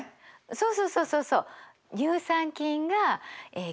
そうそうそうそうそう。